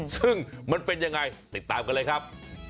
ซึ่งมันเป็นยังไงติดตามกันเลยครับ